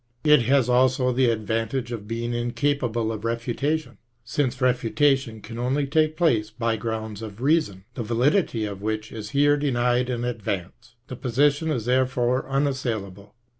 It has also the advantage of being incapable of refiita KIERKEGAABB, 213 tion, since refutation can only take place by grounds of reason, the validity of which is here denied in advance. The position is there fore unassailable.